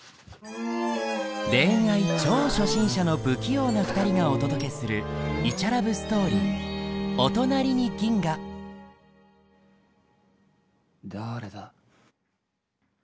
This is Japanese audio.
恋愛超初心者の不器用な２人がお届けするイチャラブストーリーだれだ？